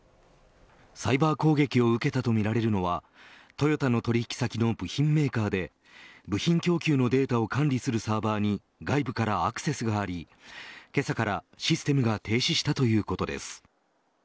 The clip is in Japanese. サイバー攻撃を受けたとみられるのはトヨタの取引先の部品メーカーで部品供給のデータを管理するサーバーに外部からアクセスがありけさからシステムが停止したということです。